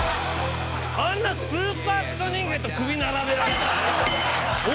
あんなスーパークソ人間と首並べられたらよぉ！